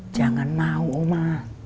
jangan mau oma